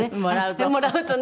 「もらうと」。